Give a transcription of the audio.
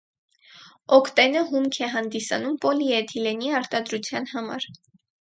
Օկտենը հումք է հանդիսանում պոլիէթիլենի արտադրության համար։